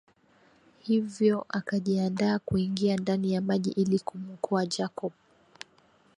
Hivyo akajiandaa kuingia ndani ya maji ili kumwokoa Jacob